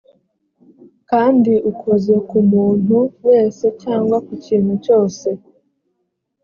kandi ukoze ku muntu wese cyangwa ku kintu cyose